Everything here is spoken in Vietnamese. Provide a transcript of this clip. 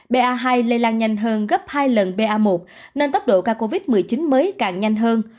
ba hai lây lan nhanh hơn gấp hai lần ba một nên tốc độ ca covid một mươi chín mới càng nhanh hơn